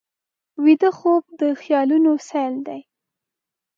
ویده خوب د خیالونو سیل دی